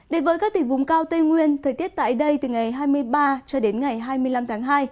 đến với các tỉnh vùng cao tây nguyên thời tiết tại đây từ ngày hai mươi ba cho đến ngày hai mươi năm tháng hai